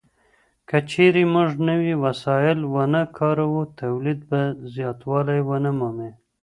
که چيرې موږ نوي وسايل ونه کاروو توليد به زياتوالی ونه مومي.